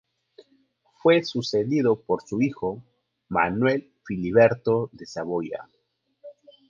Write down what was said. Fue sucedido por su hijo, Manuel Filiberto de Saboya.